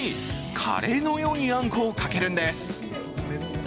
カレーのようにあんこをかけるんです。